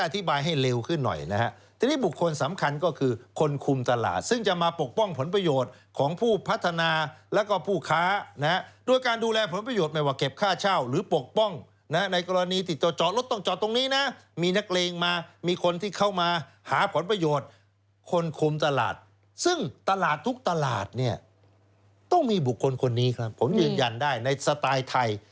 อธิบายให้เร็วขึ้นหน่อยนะฮะทีนี้บุคคลสำคัญก็คือคนคุมตลาดซึ่งจะมาปกป้องผลประโยชน์ของผู้พัฒนาแล้วก็ผู้ค้านะฮะโดยการดูแลผลประโยชน์ไม่ว่าเก็บค่าเช่าหรือปกป้องนะในกรณีที่จอดรถต้องจอดตรงนี้นะมีนักเลงมามีคนที่เข้ามาหาผลประโยชน์คนคุมตลาดซึ่งตลาดทุกตลาดเนี่ยต้องมีบุคคลคนนี้ครับผมยืนยันได้ในสไตล์ไทย